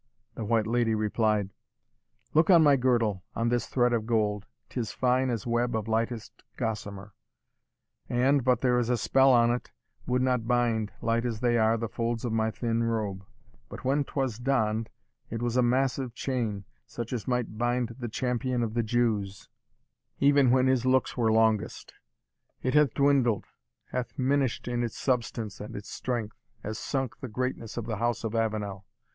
The White Lady replied, "Look on my girdle on this thread of gold 'Tis fine as web of lightest gossamer. And, but there is a spell on't, would not bind, Light as they are, the folds of my thin robe. But when 'twas donn'd, it was a massive chain, Such as might bind the champion of the Jews, Even when his looks were longest it hath dwindled, Hath minish'd in its substance and its strength, As sunk the greatness of the House of Avenel.